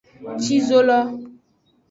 Ci zo lo.